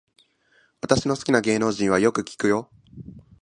私の好きな芸能人はよく聞くよ